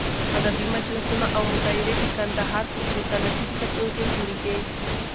ادبي مجلسونه او مشاعرې د قندهار په سلطنتي کتابتون کې جوړېدې.